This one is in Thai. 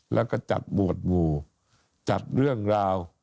แล้วก็จัดบวชหมู่จัดเรื่องราว